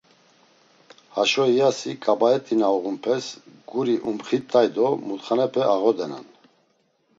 Haşo iyasi ǩabaet̆i na uğunpes, guri umxit̆ay do mutxalepe ağodenan.